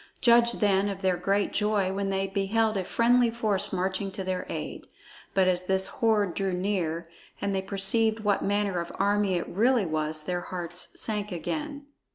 Judge then of their great joy when they beheld a friendly force marching to their aid. But as this horde drew near, and they perceived what manner of army it really was, their hearts sank again.